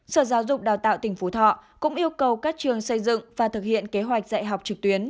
sở giáo dục đào tạo tỉnh phú thọ cũng yêu cầu các trường xây dựng và thực hiện kế hoạch dạy học trực tuyến